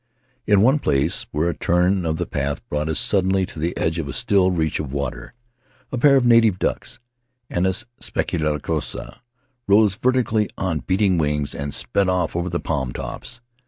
In one place, where a turn of the path brought us sud denly to the edge of a still reach of water, a pair of native ducks (Anas superciliosa) rose vertically on beating wings and sped off over the palm tops.